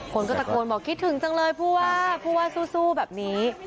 คนก็ตะโกนบอกคิดถึงจังเลยผู้ว่าผู้ว่าสู้แบบนี้